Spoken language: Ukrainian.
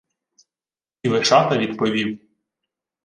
І Вишата відповів: